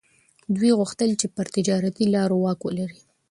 دوی غوښتل چي پر تجارتي لارو واک ولري.